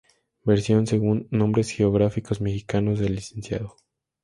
Versión según: Nombres Geográficos Mexicanos, de Lic.